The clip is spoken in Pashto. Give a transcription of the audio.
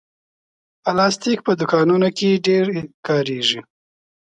پلاستيک په دوکانونو کې ډېر کارېږي.